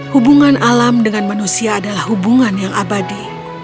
hubungan alam dengan manusia adalah hubungan yang abadi